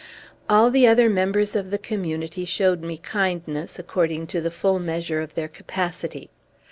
All the other members of the Community showed me kindness, according to the full measure of their capacity.